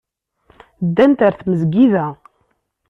Ddant ɣer tmesgida.